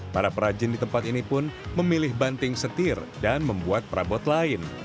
para perajin di tempat ini pun memilih banting setir dan membuat perabot lain